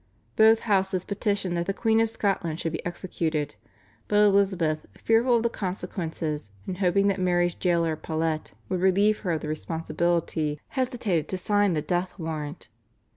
Both houses petitioned that the Queen of Scotland should be executed, but Elizabeth, fearful of the consequences and hoping that Mary's jailer Paulet, would relieve her of the responsibility, hesitated to sign the death warrant.